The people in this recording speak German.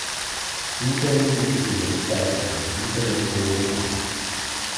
Zudem bietet die Webseite ein Internetforum an.